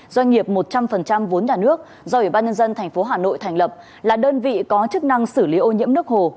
doanh nghiệp một trăm linh vốn nhà nước do ủy ban nhân dân tp hà nội thành lập là đơn vị có chức năng xử lý ô nhiễm nước hồ